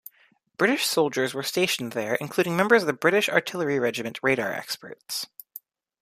British soldiers were stationed there, including members of the British Artillery Regiment radar experts.